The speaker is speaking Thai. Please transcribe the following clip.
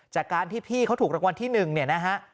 จากการที่พี่เขาถูกรางวัลที่๑เนี่ยนะฮะ